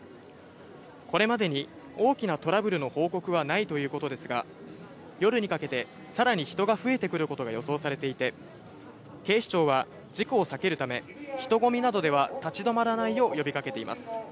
これまでに大きなトラブルの報告はないということですが、夜にかけてさらに人が増えてくることが予想されていて、警視庁は事故を避けるため、人混みなどでは立ち止まらないよう呼びかけています。